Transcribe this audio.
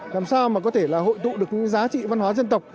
làm sao mà có thể là hội tụ được những giá trị văn hóa dân tộc